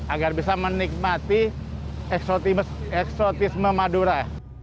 agar bisa menikmati eksotisme madura